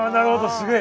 すげえ。